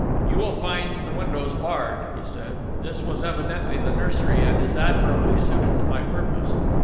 "You will find the windows barred," he said. "This was evidently the nursery and is admirably suited to my purpose.